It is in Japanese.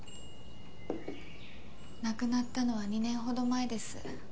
亡くなったのは２年ほど前です。